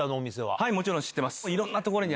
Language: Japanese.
もちろん知ってます。